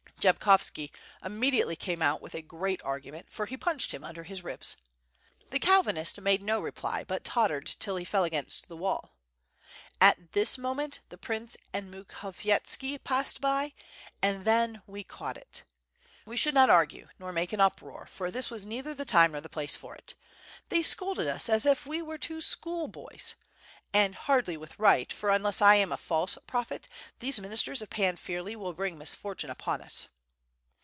Jabkovski immediately came out with a great argument, for he punched him under his ribs. The Calvinist made no reply, but tottered till he fell against the wall. At this moment the Prince and Mukhovietski passed by, and then we caught it. We should not argue nor make an uproar, for this was neither the time nor place for it. They scolded us as if we were two schoolboys; and hardly with right, for un less I am a false prophet, these ministers of Pan Firley will bring misfortune upon us."